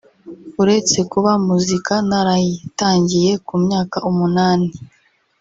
uretse kuba muzika narayitangiye ku myaka umunani